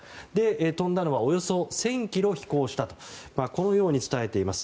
飛んだのはおよそ１０００ｋｍ飛行したとこのように伝えています。